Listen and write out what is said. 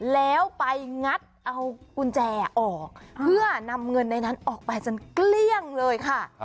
แล้วไปงัดเอากุญแจออกเพื่อนำเงินในนั้นออกไปจนเกลี้ยงเลยค่ะ